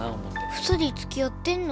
２人つきあってんの？